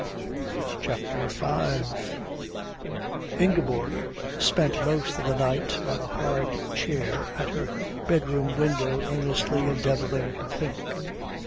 CHAPTER V Ingeborg spent most of the night on a hard chair at her bedroom window earnestly endeavouring to think.